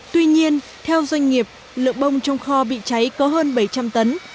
tuy nhiên theo doanh nghiệp lượng bông trong kho bị cháy có hơn bảy trăm linh tấn